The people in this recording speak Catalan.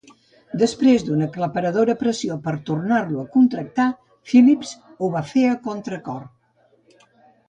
Després d'una aclaparadora pressió per tornar-lo a contractar, Phillips ho va fer a contracor.